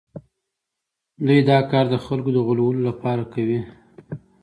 دوی دا کار د خلکو د غولولو لپاره کوي